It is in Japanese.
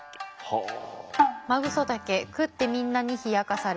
はあ。